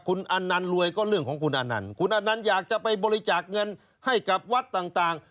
คุณอันนันต์รวยก็เรื่องของคุณอนันต์คุณอนันต์อยากจะไปบริจาคเงินให้กับวัดต่าง